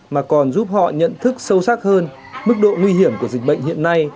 mà còn giúp họ nhận thức sâu sắc hơn mức độ nguy hiểm của dịch bệnh hiện nay